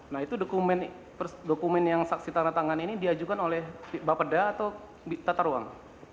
nah itu dokumen dokumen yang saksi tanda tangan ini diajukan oleh bapak pedda atau bikta tarwang